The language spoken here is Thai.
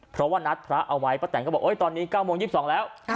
เพราะว่านัดพระเอาไว้ป้าแตนก็บอกตอนนี้๙โมง๒๒แล้ว